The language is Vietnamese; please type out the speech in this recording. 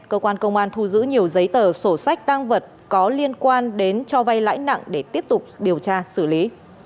cơ quan công an thu giữ nhiều giấy tờ sổ sách tăng vật có liên quan đến cho vay lãi nặng để tiếp tục điều tra xử lý